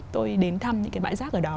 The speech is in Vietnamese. tôi đến thăm những cái bãi rác ở đó